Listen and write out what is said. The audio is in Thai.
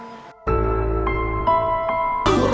ร้องได้ให้ล้าน